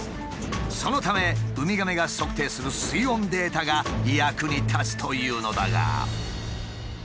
そのためウミガメが測定する水温データが役に立つというのだが。